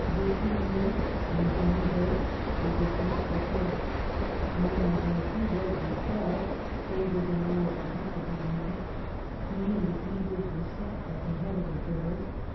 De Tournon and d'Annebaut were dis missed the Court. Montmorency was recalled ; DEATH OF THE KING. 295 favors and honors were heaped upon him. He and the Guises were set at the head of affairs.